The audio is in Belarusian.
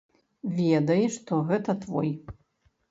Ведай, што гэта твой.